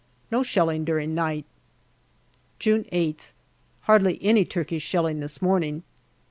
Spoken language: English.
No shelling during night. June 8th. Hardly any Turkish shelling this morning.